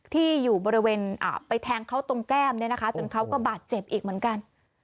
ที่อยู่บริเวณไปแทงเขาตรงแก้มจนเขาก็บาดเจ็บอีกเหมือนกัน